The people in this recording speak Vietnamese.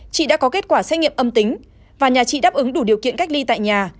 chị đã có kết quả xét nghiệm âm tính và nhà chị đáp ứng đủ điều kiện cách ly tại nhà